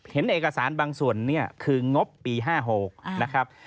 เห็นเอกสารบางส่วนเนี่ยคืองบปี๕๖นะครับ